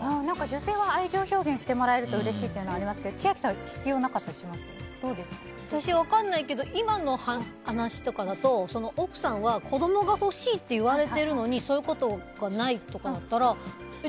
女性は愛情表現してもらえるとうれしいっていうのはありますが千秋さんは私、分かんないけど今の話とかだと奥さんは子供が欲しいって言われてるのにそういうことがないとかだったらえ？